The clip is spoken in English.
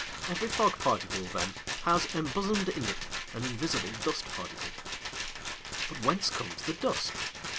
Every fog particle, then, has embosomed in it an invisible dust particle. But whence comes the dust?